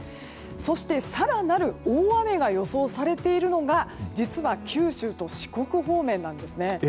そして、更なる大雨が予想されているのが実は九州と四国方面なんですね。